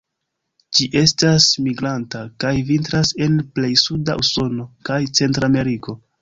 Ĝi estas migranta, kaj vintras en plej suda Usono kaj Centrameriko.